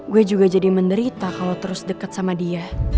gue juga jadi menderita kalau terus dekat sama dia